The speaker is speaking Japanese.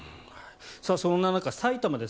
そんな中、埼玉です。